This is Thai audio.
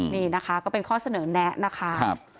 นี่นะคะก็เป็นข้อเสนอแนะนะคะ